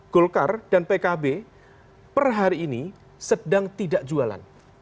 golkar dan pkb per hari ini sedang tidak jualan